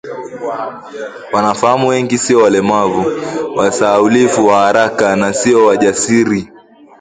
Wanafahamu wengi sio welevu, wasahaulifu wa haraka, na sio wajasiri